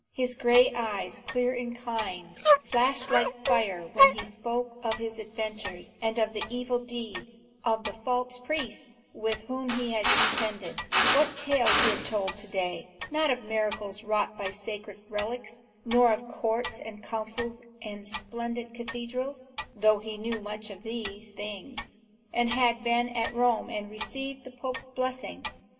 His gray eyes, clear and kind, flashed like fire when he spoke of his adventures, and of the evil deeds of the false priests with whom he had contended. What tales he had told that day! Not of miracles wrought by sacred relics; nor of courts and councils and splendid cathedrals; though he knew much of these things, and had been at Rome and received the Pope's blessing.